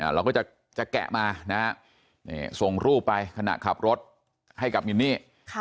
เราก็จะแกะมาส่งรูปไปขณะขับรถให้กับมินนี่